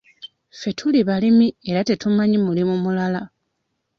Ffe tuli balimi era tetumanyi mulimu mulala.